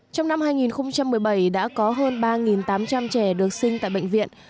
trong năm hai nghìn một mươi bảy đã có hơn ba tám trăm linh trẻ được sinh tại bệnh viện